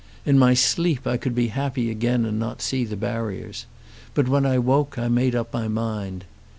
In my sleep I could be happy again and not see the barriers. But when I woke I made up my mind.